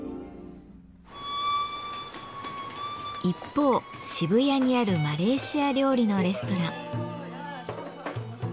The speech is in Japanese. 一方渋谷にあるマレーシア料理のレストラン。